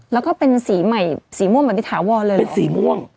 แล้วก็เป็นสีใหม่สีม่วงเหมือนที่ถาวรเลยหรอ